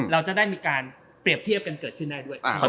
เราจะได้มีการเปรียบเทียบกันเกิดขึ้นได้ด้วย